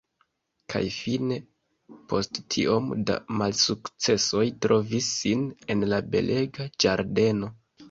Kaj fine post tiom da malsukcesoj trovis sin en la belega ĝardeno.